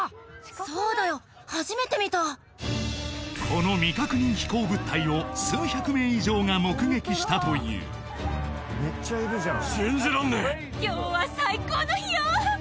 そうだよ初めて見たこの未確認飛行物体を数百名以上が目撃したという信じらんねえ今日は最高の日よ